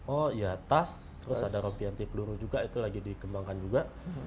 oh iya tas terus ada rompianti peluru juga itu lagi dikembangkan juga